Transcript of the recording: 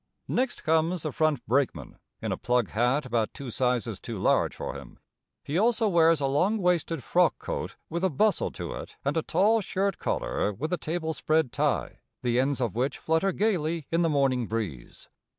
Next comes the front brakeman in a plug hat about two sizes too large for him. He also wears a long waisted frock coat with a bustle to it and a tall shirt collar with a table spread tie, the ends of which flutter gayly in the morning breeze.